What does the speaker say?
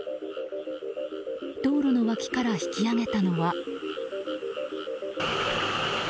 道路の脇から引き上げたのは。